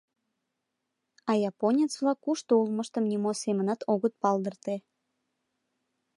А японец-влак кушто улмыштым нимо семынат огыт палдырте.